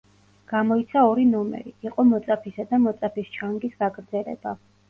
გამოიცა ორი ნომერი; იყო „მოწაფისა“ და „მოწაფის ჩანგის“ გაგრძელება.